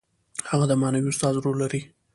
هغه د معنوي استاد رول لري.